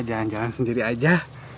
jalan jalan sendiri aja